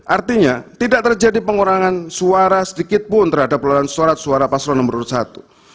artinya tidak terjadi pengurangan suara sedikitpun terhadap pelonggaran surat suara paslon nomor urut satu